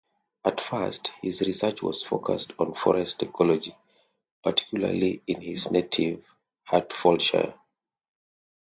At first, his research was focussed on forest ecology, particularly in his native Hertfordshire.